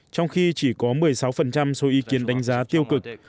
trong khi chỉ có một mươi sáu số ý kiến đánh giá tiêu cực